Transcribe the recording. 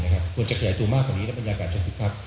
ควรจะขยายตัวมากกว่านี้และบรรยากาศจะคึกคัก